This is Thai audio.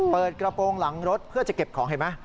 เปิดกระโปรงหลังรถเพื่อจะเก็บของเห็นไหม